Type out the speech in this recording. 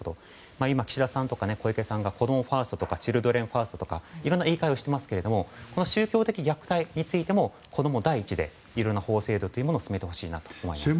今、岸田さんとか小池さんが子どもファーストとかチルドレンファーストとかいろんな言い換えをしていますが宗教的虐待についても子供第一でいろいろな法制度を進めてほしいと思いますね。